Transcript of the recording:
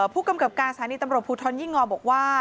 ผู้กำกับการสถานีตำรวจภูทรยิ่งงอบอกว่า